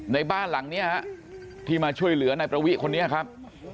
ในบ้านหลังนี้ฮะที่มาช่วยเหลือนายประวิคนนี้ครับ